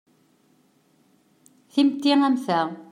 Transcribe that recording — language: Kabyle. Timetti am ta.